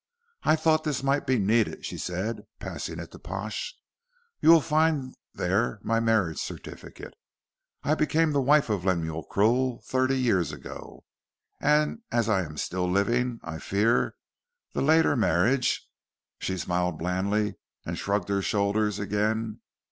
"I thought this might be needed," she said, passing it to Pash. "You will find there my marriage certificate. I became the wife of Lemuel Krill thirty years ago. And, as I am still living, I fear the later marriage " She smiled blandly and shrugged her shoulders again.